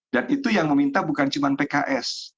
dan itu yang meminta bukan cuma pks